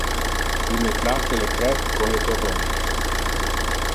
Il me place le crepes con le torrone.